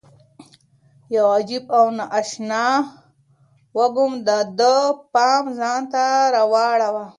یو عجیب او نا اشنا وږم د ده پام ځان ته واړاوه.